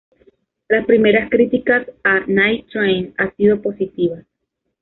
Las primeras críticas a "Night Train" han sido positivas.